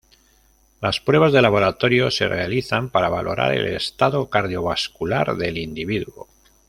Las pruebas de laboratorio se realizan para valorar el estado cardiovascular del individuo.